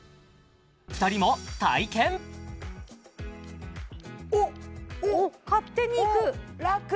２人も体験おっ！おっ勝手にいく楽！